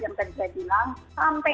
sampai rt pun dia membuat